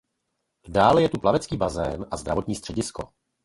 Dále je tu plavecký bazén a zdravotní středisko.